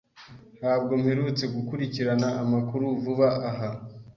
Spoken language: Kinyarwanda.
Ntabwo mperutse gukurikirana amakuru vuba aha.